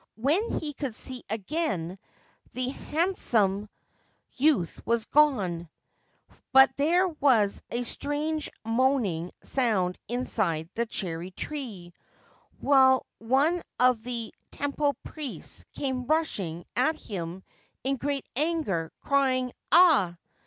When he could see again the handsome youth was gone ; but there was a strange moaning sound inside the cherry tree, while one of the temple priests came rushing at him in great anger, crying * Ah